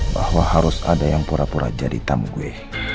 bahwa harus ada yang pura pura jadi tamu gue